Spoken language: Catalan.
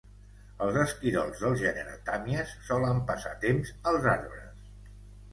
Els esquirols del gènere 'Tamias' solen passar temps als arbres.